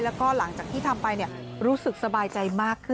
แล้วก็หลังจากที่ทำไป